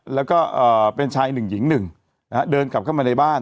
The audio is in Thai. แล้วก็เป็นชายหนึ่งหญิงหนึ่งนะฮะเดินกลับเข้ามาในบ้าน